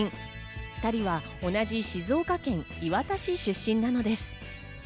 ２人は同じ静岡県磐田市出身なのです。